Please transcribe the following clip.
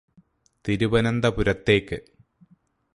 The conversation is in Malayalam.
തിരുവനന്തപുരത്തേക്ക്